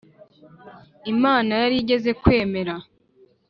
Imana yarigeze kwemera